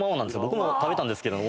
僕も食べたんですけど。